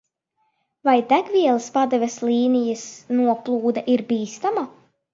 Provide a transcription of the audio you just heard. Vai degvielas padeves līnijas noplūde ir bīstama?